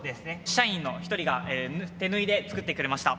社員の一人が手縫いで作ってくれました。